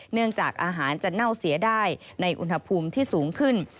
เนื่องจากอาหารจะเน่าเสียได้ในอุณหภูมิที่สูงขึ้น